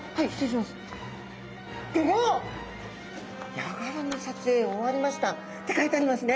「ヤガラの撮影終わりました」って書いてありますね！